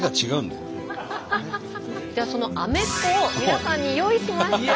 ではそのアメッコを皆さんに用意しました。